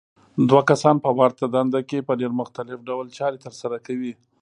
دوه کسان په ورته دنده کې په ډېر مختلف ډول چارې ترسره کوي.